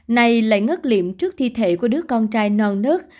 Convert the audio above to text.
nay lại ngất liệm trước thi thể của đứa con trai non nớt